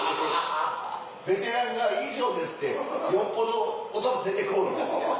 ベテランが「以上です」ってよっぽど言葉出てこおへんかってんな。